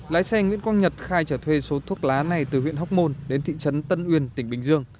lái xe nguyễn quang nhật khai trả thuê số thuốc lá này từ huyện hóc môn đến thị trấn tân uyên tỉnh bình dương